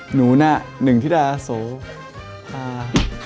หนูนะ๑ธิดาโสภา